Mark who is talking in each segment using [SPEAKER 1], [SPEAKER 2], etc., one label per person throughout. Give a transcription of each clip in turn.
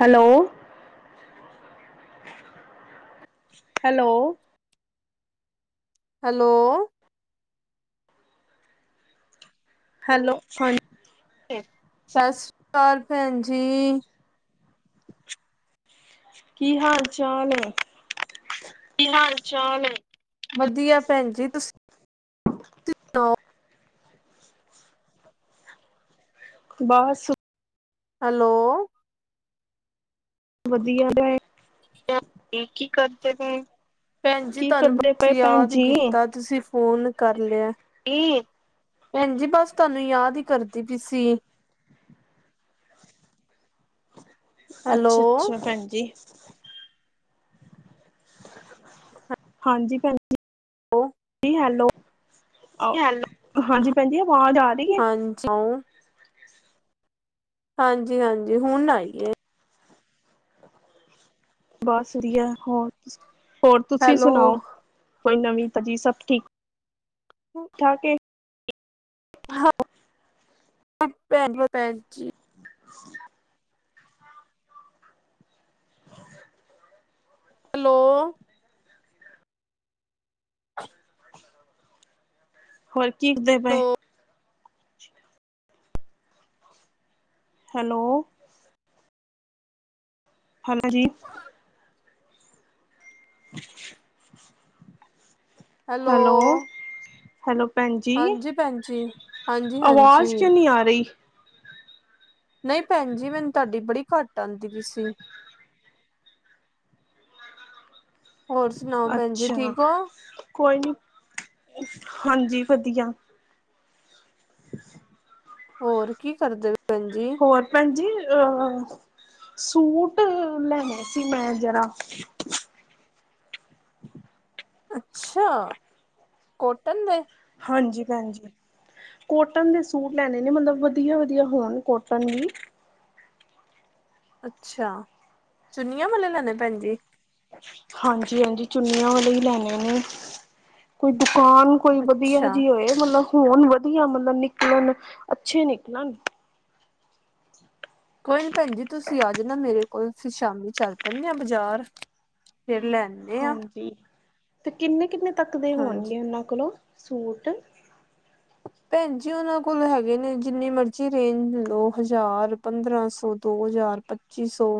[SPEAKER 1] Hello. Hello.
[SPEAKER 2] Hello.
[SPEAKER 1] Hello, ਹਾਂਜੀ।
[SPEAKER 2] ਸਤਿ ਸ੍ਰੀ ਅਕਾਲ ਭੈਣ ਜੀ।
[SPEAKER 1] ਕੀ ਹਾਲ-ਚਾਲ?
[SPEAKER 2] ਕੀ ਹਾਲ ਚਾਲ? ਵਧੀਆ ਭੈਣ ਜੀ ਤੁਸੀਂ
[SPEAKER 1] [unintelligible]
[SPEAKER 2] ਸੁਣਾਓ?
[SPEAKER 1] ਬਸ
[SPEAKER 2] ਹੈਲੋ।
[SPEAKER 1] ਵਧੀਆ ਐ।
[SPEAKER 2] ਕੀ ਕਰਦੇ ਪਏ? ਭੈਣ ਜੀ
[SPEAKER 1] ਕੀ
[SPEAKER 2] ਤੁਹਾਨੂੰ
[SPEAKER 1] ਕਰਦੇ
[SPEAKER 2] ਬਸ
[SPEAKER 1] ਪਏ ਭੈਣ
[SPEAKER 2] ਯਾਦ
[SPEAKER 1] ਜੀ
[SPEAKER 2] ਕੀਤਾ ਤੁਸੀ ਫ਼ੋਨ ਕਰ ਲਿਆ, ਕੀ? ਭੈਣ ਜੀ, ਬਸ ਤੁਹਾਨੂੰ ਯਾਦ ਹੀ ਕਰਦੀ ਪਈ ਸੀ।
[SPEAKER 1] ਅੱਛਾ
[SPEAKER 2] ਹੈਲੋ।
[SPEAKER 1] ਅੱਛਾ ਭੈਣ ਜੀ। ਹਾਂਜੀ ਭੈਣ ਜੀ। Hello
[SPEAKER 2] hello.
[SPEAKER 1] ਹਾਂਜੀ ਭੈਣ ਜੀ ਆਵਾਜ਼ ਆ ਰਹੀ ਐ?
[SPEAKER 2] [unintelligible] ਹਾਂਜੀ ਹਾਂਜੀ ਹੁਣ ਆਈ ਐ।
[SPEAKER 1] ਬਸ ਵਧੀਆ ਹੋਰ, ਹੋਰ ਤੁਸੀਂ
[SPEAKER 2] ਹੈਲੋ।
[SPEAKER 1] ਸੁਣਾਓ ਕੋਈ ਨਵੀਂ ਤਾਜੀ ਸਭ ਠੀਕ? [unintelligible]
[SPEAKER 2] ਹਾਂ [inaudible] ਭੈਣ ਜੀ।
[SPEAKER 1] [unintelligible]
[SPEAKER 2] ਹੈਲੋ। [unintelligible]
[SPEAKER 1] ਹੋਰ ਕੀਰ ਦੇ ਪਏ।
[SPEAKER 2] ਹੈਲੋ।
[SPEAKER 1] ਹੈਲੋ ਹਾਂ ਜੀ। [inaudible]
[SPEAKER 2] ਹੈਲੋ
[SPEAKER 1] ਹੈਲੋ ਭੈਣ ਜੀ,
[SPEAKER 2] ਹਾਂਜੀ ਭੈਣ ਜੀ, ਹਾਂਜੀ, ਹਾਂਜੀ।
[SPEAKER 1] ਆਵਾਜ਼ ਕਿਉਂ ਨੀ ਆ ਰਈ।
[SPEAKER 2] ਨਈ ਭੈਣ ਜੀ ਮੈਨੂੰ ਤੁਹਾਡੀ ਬੜੀ ਘੱਟ ਆਂਦੀ ਪੀ ਸੀ। ਹੋਰ ਸੁਣਾਓ ਭੈਣ ਜੀ
[SPEAKER 1] ਅੱਛਾ,
[SPEAKER 2] ਠੀਕ ਹੋ
[SPEAKER 1] ਕੋਈ ਨੀ, ਹਾਂਜੀ ਵਧੀਆ।
[SPEAKER 2] ਹੋਰ ਕੀ ਕਰਦੇ ਭੈਣ ਜੀ?
[SPEAKER 1] ਹੋਰ ਭੈਣ ਜੀ ਅ, ਸੂਟ ਲੈਣੈ ਸੀ ਮੈਂ ਜਰਾ।
[SPEAKER 2] ਅੱਛਾ, ਕੋਟਨ ਦੇ।
[SPEAKER 1] ਹਾਂਜੀ ਭੈਣ ਜੀ। ਕੋਟਨ ਦੇ ਸੂਟ ਲੈਣੇ ਨੇ ਮਤਲਬ ਵਧੀਆ-ਵਧੀਆ ਹੋਣ ਕੋਟਨ ਵੀ।
[SPEAKER 2] ਅੱਛਾ, ਚੁੰਨੀਆਂ ਵਾਲੇ ਲੈਣੇ ਭੈਣ ਜੀ।
[SPEAKER 1] ਹਾਂਜੀ-ਹਾਂਜੀ ਚੁੰਨੀਆਂ ਵਾਲੇ ਈ ਲੈਣੇ ਨੇ, ਕੋਈ ਦੁਕਾਨ ਕੋਈ ਵਧੀਆ
[SPEAKER 2] ਅੱਛਾ
[SPEAKER 1] ਜੀ ਹੋਏ ਮਤਲਬ ਹੋਣ ਵਧੀਆ ਮਤਲਬ ਨਿਕਲਣ, ਅੱਛੇ ਨਿਕਲਣ।
[SPEAKER 2] ਕੋਈ ਨੀ ਭੈਣ ਜੀ ਤੁਸੀਂ ਆ ਜਾਣਾ ਮੇਰੇ ਕੋਲ ਅਸੀਂ ਸ਼ਾਮੀ ਚੱਲ ਪੈਂਨੇ ਆ ਬਾਜ਼ਾਰ ਫੇਰ ਲੈਣ।
[SPEAKER 1] ਹਾਂਜੀ 'ਤੇ ਕਿੰਨੇ-ਕਿੰਨੇ ਤੱਕ ਦੇ
[SPEAKER 2] ਹਾਂਜੀ
[SPEAKER 1] ਹੋਣਗੇ ਉਨਾਂ ਕੋਲੋ ਸੂਟ?
[SPEAKER 2] ਭੈਣ ਜੀ ਉਨਾਂ ਕੋਲ ਹੈਗੇ ਨੇ ਜਿੰਨੀ ਮਰਜ਼ੀ ਰੇਂਜ ਲੋ ਹਜ਼ਾਰ, ਪੰਦਰਾਂ ਸੌ, ਦੋ ਹਜ਼ਾਰ ਪੱਚੀ ਸੌ।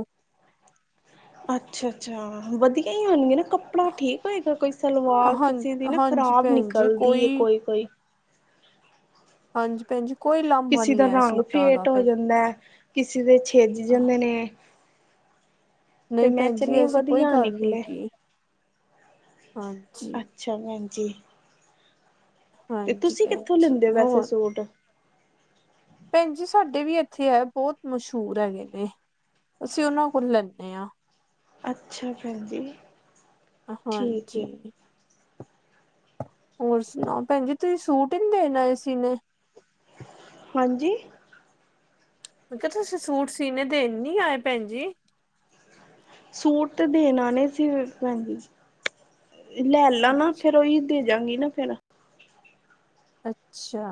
[SPEAKER 1] ਅੱਛਾ-ਅੱਛਾ ਵਧੀਆ ਈ ਹੋਣਗੇ ਨਾ ਕੱ ਪੜਾ ਠੀਕ ਹੋਏਗਾ ਕੋਈ ਸਲਵਾਰ
[SPEAKER 2] ਹਾਂ
[SPEAKER 1] ਕਿਸੀ ਦੀ ਨਾ
[SPEAKER 2] ਹਾਂਜੀ
[SPEAKER 1] ਖ਼ਰਾਬ
[SPEAKER 2] ਭੈਣ ਜੀ
[SPEAKER 1] ਨਿਕਲਦੀ ਏ
[SPEAKER 2] ਕੋਈ
[SPEAKER 1] ਕੋਈ-ਕੋਈ।
[SPEAKER 2] ਹਾਂਜੀ ਭੈਣ ਜੀ ਕੋਈ ਲਾਂਭਾ
[SPEAKER 1] ਕਿਸੀ
[SPEAKER 2] ਨੀ
[SPEAKER 1] ਦਾ
[SPEAKER 2] ਹੈ
[SPEAKER 1] ਰੰਗ
[SPEAKER 2] ਸੂਟਾਂ ਦਾ
[SPEAKER 1] ਫੇਟ ਹੋ
[SPEAKER 2] ਭੈਣ
[SPEAKER 1] ਜਾਂਦੈ, ਕਿਸੀ ਦੇ ਛਿੱਜ ਜਾਂਦੇ ਨੇ। [inaudible] ਤੇ
[SPEAKER 2] ਨਈ
[SPEAKER 1] ਮੈਂ
[SPEAKER 2] ਭੈਣ ਜੀ
[SPEAKER 1] ਚਨੀ
[SPEAKER 2] ਐਸੀ ਕੋਈ
[SPEAKER 1] ਵਧੀਆ
[SPEAKER 2] ਗੱਲ ਨੀ
[SPEAKER 1] ਨਿਕਲੇ
[SPEAKER 2] ਹੈਗੀ, ਹਾਂਜੀ।
[SPEAKER 1] ਅੱਛਾ ਭੈਣ ਜੀ। ਤੇ
[SPEAKER 2] ਹਾਂਜੀ
[SPEAKER 1] ਤੁਸੀਂ
[SPEAKER 2] ਭੈਣ
[SPEAKER 1] ਕਿੱਥੋਂ
[SPEAKER 2] ਜੀ
[SPEAKER 1] ਲੈਂਦੇ ਵੈਸੇ
[SPEAKER 2] ਹੋਰ
[SPEAKER 1] ਸੂਟ?
[SPEAKER 2] ਭੈਣ ਜੀ ਸਾਡੇ ਵੀ ਐਥੇ ਐ ਬੋਤ ਮਸ਼ਹੂਰ ਹੈਗੇ ਨੇ, ਅਸੀਂ ਉਨਾਂ ਕੋਲ ਲੈਂਨੇ ਆ।
[SPEAKER 1] ਅੱਛਾ ਭੈਣ ਜੀ, ਠੀਕ ਏ।
[SPEAKER 2] ਹਾਂਜੀ ਹੋਰ ਸੁਣਾਓ ਭੈਣ ਜੀ ਤੁਸੀਂ ਸੂਟ ਨੀ ਦੇਣ ਆਏ ਸੀਨੇ?
[SPEAKER 1] ਹਾਂਜੀ।
[SPEAKER 2] ਮੈਂ ਕੇਆ ਤੁਸੀਂ ਸੂਟ ਸੀਨੇ ਦੇਣ ਨੀ ਆਏ ਭੈਣ ਜੀ?
[SPEAKER 1] ਸੂਟ ਤੇ ਦੇਣ ਆਣੇ ਸੀ ਭੈਣ ਜੀ। ਲੈ ਲਾ ਨਾ ਫੇਰ ਉਈ ਦੇ ਜਾਂਗੀ ਨਾ ਫੇਰ।
[SPEAKER 2] ਅੱਛਾ।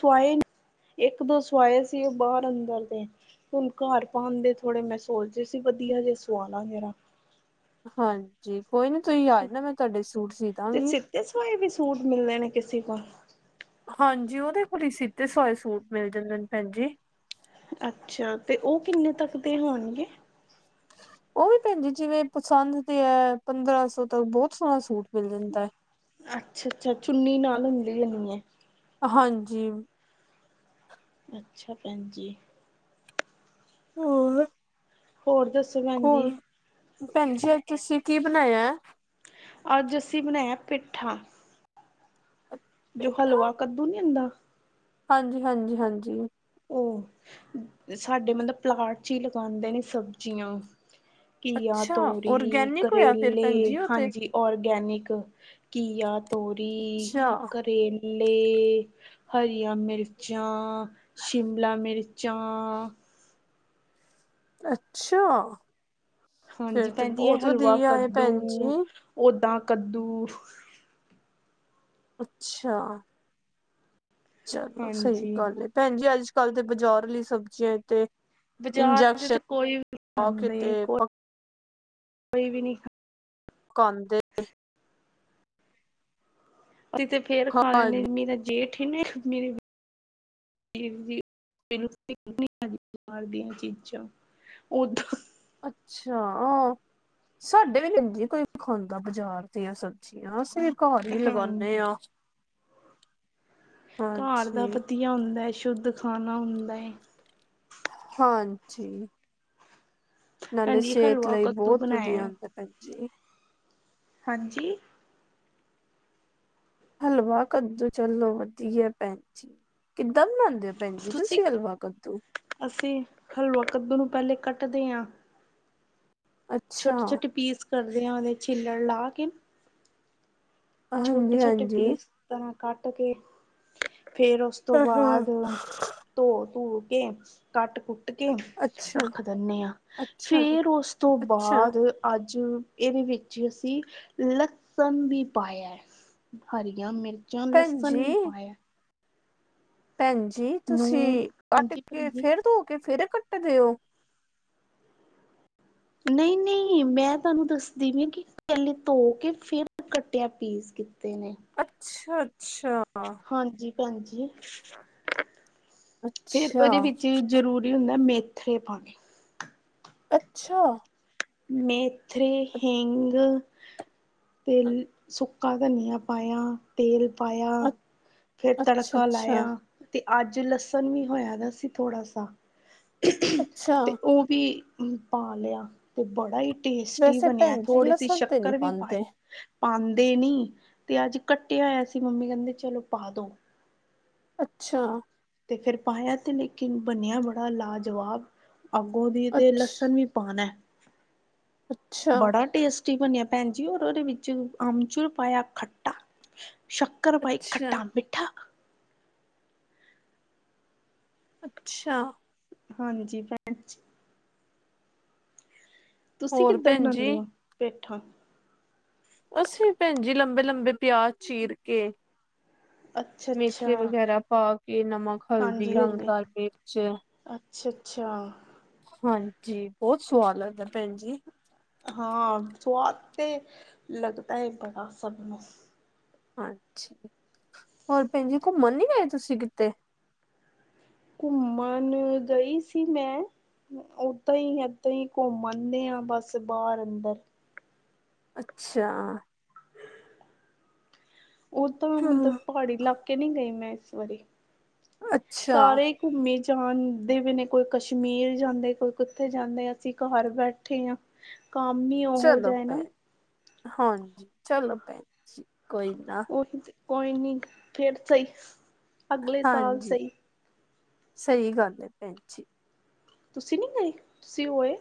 [SPEAKER 1] ਸੁਵਾਏ, ਇੱਕ-ਦੋ ਸੁਵਾਏ ਸੀ ਬਾਹਰ-ਅੰਦਰ ਦੇ ਹੁਣ ਘਰ ਪਾਨ ਦੇ ਥੋੜੇ ਮੈਂ ਸੋਚ ਰੀ ਸੀ ਵਧੀਆ ਜੇ ਸਵਾ ਲਾ ਕੇਰਾ।
[SPEAKER 2] ਹਾਂਜੀ ਕੋਈ ਨੀ ਤੁਸੀਂ ਆ ਜਾਣਾ ਮੈਂ ਤੁਹਾਡੇ ਸੂਟ ਸੀ ਦਾਗੀ।
[SPEAKER 1] ਤੇ ਸੁਵਾਏ ਵੀ ਸੂਟ ਮਿਲਨੇ ਨੇ ਕਿਸੀ ਕੋ?
[SPEAKER 2] ਹਾਂਜੀ ਉਦੇ ਕੋਲ ਈ ਸੀਤੇ ਸੁਵਾਏ ਸੂਟ ਮਿਲ ਜਾਂਦੇ ਨੇ ਭੈਣ ਜੀ।
[SPEAKER 1] ਅੱਛਾ ਤੇ ਓ ਕਿੰਨੇ ਤੱਕ ਦੇ ਹੋਣਗੇ?
[SPEAKER 2] ਓ ਵੀ ਭੈਣ ਜੀ ਜਿਵੇਂ ਪਸੰਦ ਤੇ ਐ ਪੰਦਰਾਂ ਸੌ ਤੱਕ ਬੋਤ ਸੋਹਣਾ ਸੂਟ ਮਿਲ ਜਾਂਦਾ ਐ।
[SPEAKER 1] ਅੱਛਾ ਅੱਛਾ ਚੁੰਨੀ ਨਾਲ ਹੁੰਦੀ ਹੋਨੀ ਐ
[SPEAKER 2] ਹਾਂ ਜੀ
[SPEAKER 1] ਅੱਛਾ ਭੈਣ ਜੀ
[SPEAKER 2] ਹੋਰ
[SPEAKER 1] ਹੋਰ ਦੱਸੋਂ
[SPEAKER 2] ਹੋਰ ਭੈਣ ਜੀ ਔਰ ਤੁਸੀਂ ਕੀ ਬਣਾਇਆ
[SPEAKER 1] ਅੱਜ ਅਸੀਂ ਬਣਾਇਆ ਪਿੱਠਾ ਜੋ
[SPEAKER 2] ਪੇਠਾ
[SPEAKER 1] ਹਲਵਾ ਕੱਦੂ ਨੀ ਹੁੰਦਾ
[SPEAKER 2] ਹਾਂਜੀ ਹਾਂਜੀ ਹਾਂਜੀ
[SPEAKER 1] ਉਹ ਸਾਡੇ ਮਤਲਬ ਪਲਾਟ 'ਚ ਹੀ ਲਗਾਉਂਦੇ ਨੇ ਸਬਜ਼ੀਆਂ ਘੀਆ
[SPEAKER 2] ਅੱਛਾ
[SPEAKER 1] ਤੋਰੀ
[SPEAKER 2] ਔਰਗੈਨਿਕ ਹੋਇਆ ਫਿਰ ਭੈਣ
[SPEAKER 1] ਕਰੇਲੇ
[SPEAKER 2] ਜੀ ਉਹ ਤੇ
[SPEAKER 1] ਹਾਂਜੀ ਔਰਗੈਨਿਕ ਘੀਆ ਤੋਰੀ
[SPEAKER 2] ਅੱਛਾ
[SPEAKER 1] ਕੇਰ ਲੇ ਹਰੀਆਂ ਚਾਂ ਆ ਸ਼ਿਮਲਾ ਚਾਂ ਆ।
[SPEAKER 2] ਅ ਅੱਛਾ।
[SPEAKER 1] ਹਾਂਜੀ
[SPEAKER 2] ਫੇਰ
[SPEAKER 1] ਈ
[SPEAKER 2] ਤੇ
[SPEAKER 1] ਭੈਣਜੀ ਇਹ
[SPEAKER 2] ਬਹੁਤ
[SPEAKER 1] ਹਲਵਾ
[SPEAKER 2] ਵਧੀਆ ਹੈ
[SPEAKER 1] ਕੱਦੂ
[SPEAKER 2] ਭੈਣ ਜੀ
[SPEAKER 1] ਓਦਾ ਕੱਦੂ
[SPEAKER 2] ਅੱਛਾ। ਚਲੋ ਸਹੀ
[SPEAKER 1] ਹਾਂਜੀ
[SPEAKER 2] ਗੱਲ ਏੱ ਭੈਣ ਜੀ ਅੱਜ ਕੱਲ ਦੇ ਬਾਜ਼ਾਰ ਲਈ ਸਬਜ਼ੀਆਂ ਤੇ
[SPEAKER 1] ਬਾਜ਼ਾਰ ਦੇ
[SPEAKER 2] ਇੰਜੈਕਸ਼ਨ
[SPEAKER 1] ਤੇ ਕੋਈ ਵੀ
[SPEAKER 2] ਮੌਕੇ
[SPEAKER 1] ਖਾਂਦੇ
[SPEAKER 2] ਤੇ
[SPEAKER 1] ਕੋਈ ਵੀ ਨੀ।
[SPEAKER 2] ਕੰਨ ਦੇ
[SPEAKER 1] ਅਸੀਂ ਤੇ ਫੇਰ ਖਾਣ ਨੇ
[SPEAKER 2] ਹਾਂਜੀ
[SPEAKER 1] ਮੇਰਾ ਜੇਠ ਹੀਨ ਮੇਰੇ ਬਾਹਰ ਦੀਆ ਚੀਜ਼ਾਂ ਓਧਾ
[SPEAKER 2] ਅੱਛਾ ਅ ਸਾਡੇ ਵੀ ਲਗੀ ਕੋਈ ਵੀ ਖਾਂਦਾ ਬਾਜ਼ਾਰ ਦੀਆਂ ਸਬਜ਼ੀਆਂ ਅਸੀਂ ਘਰ ਹੀ ਲਗਾਨੇ
[SPEAKER 1] ਹਾਂਜੀ
[SPEAKER 2] ਆ।
[SPEAKER 1] ਘਰ ਦਾ ਵਤੀਆ ਹੁੰਦਾ ਐ ਸ਼ੁੱਧ ਖਾਣਾ ਹੁੰਦਾ ਐ
[SPEAKER 2] ਹਾਂਜੀ ਈ ਨਾਲੇ
[SPEAKER 1] ਭੈਣਜੀ
[SPEAKER 2] ਸਿਹਤ
[SPEAKER 1] ਹਲਵਾ
[SPEAKER 2] ਲਈ
[SPEAKER 1] ਕੱਦੂ
[SPEAKER 2] ਬਹੁਤ ਵਧੀਆ
[SPEAKER 1] ਬਣਾਇਆ
[SPEAKER 2] ਹੁੰਦਾ ਭੈਣ ਜੀ।
[SPEAKER 1] ਹਾਂਜੀ ਈ
[SPEAKER 2] ਹਲਵਾ ਕੱਦੂ ਚਲੋ ਵਧੀਆ ਏ ਭੈਣ ਜੀ ਕਿੱਦਾਂ ਬਣਾਉਂਦੇ ਭੈਣ ਜੀ ਤੁਸੀਂ ਹਲਵਾ ਕੱਦੂ
[SPEAKER 1] ਅਸੀਂ ਹਲਵਾ ਕੱਦੂ ਨੂੰ ਪਹਿਲੇ ਕੱਟਦੇ ਐ
[SPEAKER 2] ਅੱਛਾ
[SPEAKER 1] ਛੋਟੇ ਛੋਟੇ ਪੀਸ ਕਰਦੇ ਆ ਉਹਦੇ ਛਿੱਲੜ ਲਾ ਕੇ ਛੋਟੇ
[SPEAKER 2] ਹਾਂਜੀ,
[SPEAKER 1] ਛੋਟੇ
[SPEAKER 2] ਹਾਂਜੀ।
[SPEAKER 1] ਪੀਸ ਤਰ੍ਹਾਂ ਕੱਟ ਕੇ ਫੇਰ ਉਸ ਤੋਂ ਬਾਅਦ। ਧੋ ਧੁ ਕੇ ਕੱਟ ਕੁੱਟ। ਤੇ ਕੇ
[SPEAKER 2] ਅੱਛਾ,
[SPEAKER 1] ਰੱਖ ਦਿੰਦੇ ਹਾਂ
[SPEAKER 2] ਅੱਛਾ,
[SPEAKER 1] ਫੇਰ ਉਸ ਤੋਂ
[SPEAKER 2] ਅੱਛਾ
[SPEAKER 1] ਬਾਅਦ। ਅੱਜ ਇਹਦੇ ਵਿੱਚੀ ਅਸੀਂ ਲਸਣ ਵੀ। ਪਾਇਆ ਹਰੀਆਂ ਮਿਰਚਾਂ
[SPEAKER 2] ਭੈਣ
[SPEAKER 1] ਲਸਣ
[SPEAKER 2] ਜੀ
[SPEAKER 1] ਵੀ ਪਾਇਆ।
[SPEAKER 2] ਭੈਣ ਜੀ
[SPEAKER 1] ਨੂੰ
[SPEAKER 2] ਤੁਸੀਂ ਕੱਟ
[SPEAKER 1] ਹਾਂਜੀ ਭੈਣ
[SPEAKER 2] ਕੇ
[SPEAKER 1] ਜੀ।
[SPEAKER 2] ਫਿਰ ਧੋ ਕੇ ਫੇਰ ਕੱਟ ਦਿਓ।
[SPEAKER 1] ਨਹੀਂ ਈ ਨਹੀਂ ਈ ਮੈਂ ਤੁਹਾਨੂੰ ਦੱਸਦੀ ਪਈ ਹੈ ਕਿ। ਪਹਿਲੇ ਧੋ ਕੇ ਫਿਰ ਕੱਟਿਆ ਪੀਸ ਕੀਤੇ ਨੇ।
[SPEAKER 2] ਅੱਛਾ ਅੱਛਾ
[SPEAKER 1] ਹਾਂਜੀ ਈ ਭੈਣਜੀ ਫੇਰ
[SPEAKER 2] ਅੱਛਾ,
[SPEAKER 1] ਉਹਦੇ ਵਿੱਚ ਜ਼ਰੂਰੀ। ਹੁੰਦਾ ਮੇਥੇ ਪਾਣੇ।
[SPEAKER 2] ਅੱਛਾ!
[SPEAKER 1] ਮੇਥਰੇ, ਹਿੰਗ ਤੇ ਸੁੱਕਾ ਧਨੀਆ ਪਾਇਆ, ਤੇਲ ਪਾਇਆ
[SPEAKER 2] ਅੱਛਾ,
[SPEAKER 1] ਫੇਰ ਤੜਕਾ
[SPEAKER 2] ਅੱਛਾ,
[SPEAKER 1] ਲਾਇਆ। ਤੇ ਅੱਜ ਲਸਣ ਵੀ ਹੋਇਆ ਦਾ ਸੀ ਥੋੜ੍ਹਾ ਸਾ।
[SPEAKER 2] ਅੱਛਾ।
[SPEAKER 1] ਤੇ ਉਹ ਵੀ ਪਾ ਲਿਆ ਤੇ ਬੜਾ ਹੀ ਟੇਸਟੀ
[SPEAKER 2] ਵੈਸੇ
[SPEAKER 1] ਬਣਿਆ,
[SPEAKER 2] ਭੈਣ ਜੀ
[SPEAKER 1] ਥੋੜੀ ਸੀ
[SPEAKER 2] ਲਸਣ ਤੇ ਨਹੀਂ
[SPEAKER 1] ਸ਼ੱਕਰ ਵੀ
[SPEAKER 2] ਪਾਉਂਦੇ
[SPEAKER 1] ਪਾਈ। ਪਾਉਦੇ ਨੀ, ਤੇ ਅੱਜ ਕੱਟਿਆ ਹੋਇਆ ਸੀ ਮੰਮੀ ਕਹਿੰਦੇ ਚਲੋ ਪਾ ਦੋ।
[SPEAKER 2] ਅੱਛਾ!
[SPEAKER 1] ਤੇ ਫਿਰ ਪਾਇਆ ਤੇ ਲੇਕਿਨ ਬਣਿਆ ਬੜਾ ਲਾਜਵਾਬ। ਅੱਗੋਂ ਦੀ ਤੇ
[SPEAKER 2] ਅੱਛ
[SPEAKER 1] ਲਸਣ ਵੀ ਪਾਣਾ,
[SPEAKER 2] ਅੱਛਾ
[SPEAKER 1] ਬੜਾ ਟੇਸਟੀ ਬਣਿਆ ਭੈਣ ਜੀ, ਔਰ ਉਹਦੇ ਵਿੱਚ ਅਮਚੁਰ ਪਾਇਆ ਖੱਟਾ ਸ਼ੱਕਰ ਪਾਈ
[SPEAKER 2] ਅੱਛਾ
[SPEAKER 1] ਖੱਟਾ ਮਿੱਠਾ।
[SPEAKER 2] ਅੱਛਾ!
[SPEAKER 1] ਹਾਂਜੀ! ਭੈਣ ਤੁਸੀਂ
[SPEAKER 2] ਹੋਰ
[SPEAKER 1] ਕਿੱਦਾਂ
[SPEAKER 2] ਭੈਣ ਜੀ
[SPEAKER 1] ਬਣਾਉਂਦੇ ਹੋ ਪੇਠਾਂ?
[SPEAKER 2] ਅਸੀਂ ਭੈਣ ਜੀ ਲੰਬੇ- ਲੰਬੇ ਪਿਆਜ਼ ਚੀਰ ਕੇ ਮੇਥੇ
[SPEAKER 1] ਅੱਛਾ-ਅੱਛਾ।
[SPEAKER 2] ਵਗੈਰਾ ਪਾ ਕੇ ਨਮਕ, ਹਲਦੀ,
[SPEAKER 1] ਹਾਂਜੀ-ਹਾਂਜੀ।
[SPEAKER 2] ਰੰਗਦਾਰ ਮਿਰਚ।
[SPEAKER 1] ਅੱਛਾ-ਅੱਛਾ!
[SPEAKER 2] ਹਾਂਜੀ! ਬਹੁਤ ਸਵਾਦ ਲੱਗਦਾ ਭੈਣ ਜੀ।
[SPEAKER 1] ਹਾਂ! ਸਵਾਦ ਤੇ ਲਗਦਾ ਹੈ ਬੜਾ ਸਭ ਨੂੰ।
[SPEAKER 2] ਹਾਂਜੀ! ਹੋਰ ਭੈਣ ਜੀ ਘੁੰਮਣ ਨੀ ਗਏ ਤੁਸੀਂ ਕਿਤੇ?
[SPEAKER 1] ਘੁੰਮਣ ਗਈ ਸੀ ਮੈਂ। ਓਦਾਂ ਹੀ, ਏਦਾਂ ਹੀ ਘੁੰਮ ਆਉਂਦੇ ਹਾਂ ਬਸ ਬਾਹਰ ਅੰਦਰ।
[SPEAKER 2] ਅੱਛਾ!
[SPEAKER 1] ਉਹ ਤਾਂ ਮਤਲਬ
[SPEAKER 2] ਹਮ
[SPEAKER 1] ਪਹਾੜੀ ਇਲਾਕੇ ਨਹੀਂ ਗਈ ਮੈਂ ਇਸ ਵਾਰੀ।
[SPEAKER 2] ਅੱਛਾ
[SPEAKER 1] ਸਾਰੇ ਘੁੰਮੀ ਜਾਂਦੇ ਵੀ ਨੇ, ਕੋਈ ਕਸ਼ਮੀਰ ਜਾਂਦੇ ਕੋਈ ਕੁੱਥੇ ਜਾਂਦੇ ਅਸੀਂ ਘਰ ਬੈਠੇ ਹਾਂ। ਹਾਂ! ਕੰਮ ਈ ਉਹ ਹੋ
[SPEAKER 2] ਚਲੋ
[SPEAKER 1] ਜਾਏ ਨਾ
[SPEAKER 2] ਭੈਣ ਹਾਂਜੀ, ਚਲੋ ਭੈਣ ਜੀ ਕੋਈ ਨਾ।
[SPEAKER 1] ਕੋਈ ਨੀ ਫੇਰ ਸਹੀ। ਅਗਲੇ ਸਾਲ
[SPEAKER 2] ਹਾਂਜੀ!
[SPEAKER 1] ਸਹੀ
[SPEAKER 2] ਸਹੀ ਗੱਲ ਹੈ ਭੈਣ ਜੀ।
[SPEAKER 1] ਤੁਸੀਂ ਨਹੀਂ ਗਏ? ਤੁਸੀਂ ਹੋ ਆਏ।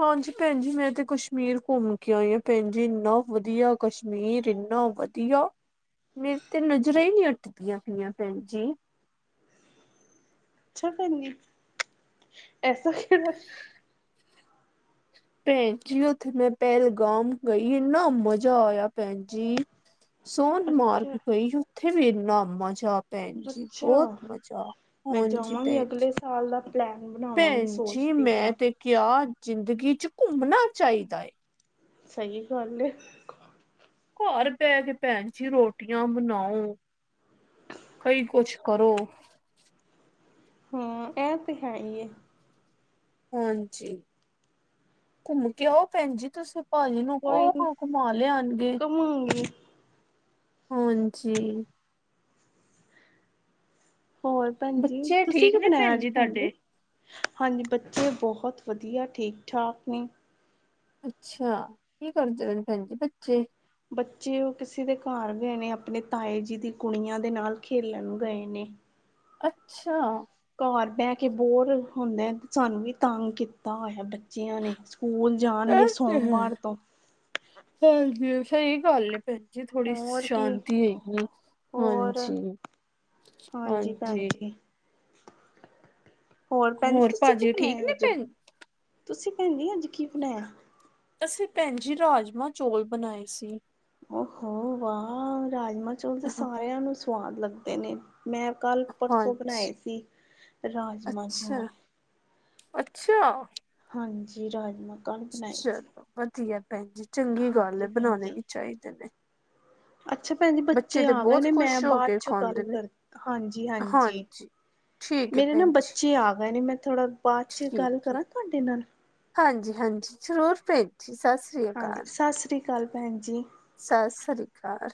[SPEAKER 2] ਹਾਂਜੀ! ਭੈਣ ਜੀ ਮੈਂ ਤੇ ਕਸ਼ਮੀਰ ਘੁੰਮ ਕੇ ਆਈ ਹਾਂ, ਭੈਣ ਜੀ ਇੰਨਾ ਵਧੀਆ ਕਸ਼ਮੀਰ ਇੰਨਾ ਵਧੀਆ, ਮੇਰੇ ਤੇ ਨਜ਼ਰਾਂ ਹੀ ਨੀ ਹਟਦੀਆਂ ਪਈਆਂ ਭੈਣ ਜੀ।
[SPEAKER 1] ਅੱਛਾ! ਭੈਣ ਜੀ ਐਸਾ ਕਿਹੜਾ।
[SPEAKER 2] ਭੈਣ ਜੀ! ਉੱਥੇ ਮੈਂ ਪਹਿਲਗਾਮ ਗਈ ਇੰਨਾ ਮਜ਼ਾ ਆਇਆ ਭੈਣ ਜੀ। ਸੋਨ ਮਾਰਗ
[SPEAKER 1] ਅੱਛਾ
[SPEAKER 2] ਗਈ ਉੱਥੇ ਵੀ ਇਨਾਂ ਮਜ਼ਾ। ਭੈਣ ਜੀ! ਬਹੁਤ
[SPEAKER 1] ਅੱਛਾ
[SPEAKER 2] ਮਜ਼ਾ
[SPEAKER 1] ਮੈਂ
[SPEAKER 2] ਹਾਂਜੀ
[SPEAKER 1] ਜਾਵਾਂਗੀ
[SPEAKER 2] ਭੈਣ
[SPEAKER 1] ਅਗਲੇ
[SPEAKER 2] ਜੀ!
[SPEAKER 1] ਸਾਲ ਦਾ ਪਲੈਨ ਬਣਾ
[SPEAKER 2] ਭੈਣ ਜੀ ਮੈਂ ਤੇ ਕਿਆ ਜ਼ਿੰਦਗੀ ਚ ਘੁੰਮਣਾ ਚਾਹੀਦਾ ਏ।
[SPEAKER 1] ਸ‌ਈ ਗੱਲ ਏ।
[SPEAKER 2] ਘਰ ਬਹਿ ਕੇ ਭੈਣ ਜੀ ਰੋਟੀਆਂ ਬਣਾਓ ਕਈ ਕੁਛ ਕਰੋ।
[SPEAKER 1] ਹਾਂ ਐਹ ਤੇ ਹੈ ਈ ਏ।
[SPEAKER 2] ਹਾਂਜੀ, ਘੁੰਮ ਕੇ ਆਓ ਭੈਣ ਜੀ ਤੁਸੀਂ। ਪਾਜੀ ਨੂੰ
[SPEAKER 1] ਕੋਈ
[SPEAKER 2] ਕਹੋ,
[SPEAKER 1] ਨੀ
[SPEAKER 2] ਓ ਕੁਮਾ ਲਿਆਣਗੇ।
[SPEAKER 1] ਘੁੰਮਾਂਗੀ
[SPEAKER 2] ਹਾਂਜੀ।
[SPEAKER 1] ਹੋਰ ਭੈਣ ਜੀ
[SPEAKER 2] ਬੱਚੇ
[SPEAKER 1] ਤੁਸੀ
[SPEAKER 2] ਠੀਕ
[SPEAKER 1] ਕੀ
[SPEAKER 2] ਨੇ
[SPEAKER 1] ਬਣਾਇਆ ਅੱਜ ਭੈਣ ਜੀ?
[SPEAKER 2] ਤੁਹਾਡੇ?
[SPEAKER 1] ਹਾਂਜੀ, ਬੱਚੇ ਬਹੋਤ ਵਧੀਆ ਠੀਕ-ਠਾਕ ਨੇ।
[SPEAKER 2] ਅੱਛਾ, ਕੀ ਕਰਦੇ ਪ‌ਏ ਨੇ ਭੈਣ ਜੀ ਬੱਚੇ?
[SPEAKER 1] ਬੱਚੇ ਓ ਕਿਸੀ ਦੇ ਘਰ ਗਏ ਨੇ, ਆਪਣੇ ਤਾਏ ਜੀ ਦੀ ਕੁੜੀਆਂ ਦੇ ਨਾਲ ਖੇਲਨ ਗਏ ਨੇ।
[SPEAKER 2] ਅੱਛਾ।
[SPEAKER 1] ਘਰ ਬੈ ਕੇ ਬੋਰ ਹੁੰਦੇ, ਸਾਨੂੰ ਵੀ ਤੰਗ ਕੀਤਾ ਹੋਇਆ। ਬੱਚਿਆਂ ਨੇ ਸਕੂਲ ਜਾਨਗੇ ਸੋਮਵਾਰ ਤੋਂ।
[SPEAKER 2] ਚਲ ਠੀਕ, ਸਈ ਗੱਲ ਏ ਫੇਰ। ਜੀ ਥੋੜੀ
[SPEAKER 1] ਹੋਰ ਕੀ
[SPEAKER 2] ਸ਼ਾਂਤੀ ਹੈਗੀ ਏ,
[SPEAKER 1] ਹੋਰ
[SPEAKER 2] ਹਾਂਜੀ
[SPEAKER 1] ਭੈਣ
[SPEAKER 2] ਹਾਂਜੀ।
[SPEAKER 1] ਜੀ। ਹੋਰ ਭੈਣ ਜੀ ਤੁਸੀਂ ਕੀ
[SPEAKER 2] ਭਾਜੀ ਠੀਕ
[SPEAKER 1] ਬਨਾਯਾ,
[SPEAKER 2] ਨੇ
[SPEAKER 1] ਅੱਜ
[SPEAKER 2] ਭੈਣ?
[SPEAKER 1] ਤੁਸੀਂ ਭੈਣ ਜੀ ਅੱਜ ਕੀ ਬਨਾਯਾ?
[SPEAKER 2] ਅਸੀਂ ਭੈਣ ਜੀ ਜੀ ਰਾਜਮਾ-ਚੋਲ ਬਨਾਏ ਸੀ।
[SPEAKER 1] ਓਹੋ ਵਾਹ! ਰਾਜਮਾ-ਚੌਲ ਤੇ ਸਾਰਿਆਂ ਨੂੰ ਸਵਾਦ ਲੱਗਦੇ ਨੇ। ਮੈਂ ਕੱਲ-ਪਰਸੋਂ
[SPEAKER 2] ਹਾਂਜੀ,
[SPEAKER 1] ਬਨਾਏ ਸੀ ਰਾਜਮਾ-ਚੌਲ।
[SPEAKER 2] ਅੱਛਾ। ਅੱਛਾ।
[SPEAKER 1] ਹਾਂਜੀ, ਰਾਜਮਾ।
[SPEAKER 2] ਚਲੋ ਵਧੀਆ ਭੈਣ ਜੀ, ਚੰਗੀ ਗੱਲ
[SPEAKER 1] ਹਾਂਜੀ
[SPEAKER 2] ਐ
[SPEAKER 1] ਭੈਣ
[SPEAKER 2] ਬਨਾਨੇ
[SPEAKER 1] ਜੀ
[SPEAKER 2] ਵੀ ਚਾਈਦੇ ਨੇ।
[SPEAKER 1] ਅੱਛਾ ਭੈਣ ਜੀ ਬੱਚੇ
[SPEAKER 2] ਤੇ
[SPEAKER 1] ਆ ਗਏ
[SPEAKER 2] ਬਹੁਤ
[SPEAKER 1] ਨੇ, ਮੈਂ
[SPEAKER 2] ਖੁਸ਼ ਹੋ
[SPEAKER 1] ਬਾਦ
[SPEAKER 2] ਕੇ
[SPEAKER 1] ਚੋਂ ਗੱਲ
[SPEAKER 2] ਖਾਂਦੇ ਨੇ
[SPEAKER 1] ਕਰਦ ਹਾਂਜੀ-ਹਾਂਜੀ।
[SPEAKER 2] ਹਾਂਜੀ ਠੀਕ ਹੈ
[SPEAKER 1] ਮੇਰੇ ਨਾ
[SPEAKER 2] ਭੈਣ ਜੀ
[SPEAKER 1] ਬੱਚੇ ਆ ਗਏ ਨੇ, ਮੈਂ ਥੋੜ੍ਹਾ ਬਾਅਦ ਚ ਗੱਲ ਕਰਾਂ ਤੁਆਡੇ ਨਾਲ?
[SPEAKER 2] ਹਾਂਜੀ-ਹਾਂਜੀ, ਜਰੂਰ ਭੈਣ ਜੀ ਸਤਿ ਸ਼੍ਰੀ
[SPEAKER 1] ਹਾਂਜੀ, ਸਤਿ ਸ੍ਰੀ ਅਕਾਲ ਭੈਣ ਜੀ।
[SPEAKER 2] ਸਸ ਸ੍ਰੀ ਅਕਾਲ।